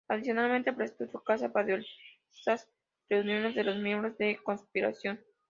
Adicionalmente, prestó su casa para diversas reuniones de los miembros de la conspiración.